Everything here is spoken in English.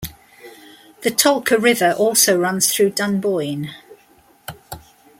The tolka river also runs through Dunboyne.